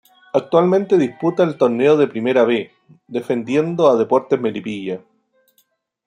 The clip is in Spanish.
Actualmente disputa el torneo de Primera B defendiendo a Deportes Melipilla.